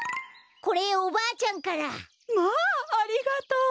まあありがとう。